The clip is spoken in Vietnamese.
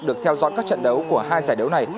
được theo dõi các trận đấu của hai giải đấu này